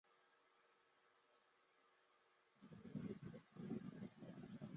他也曾效力于水晶宫和朴茨茅斯等球队。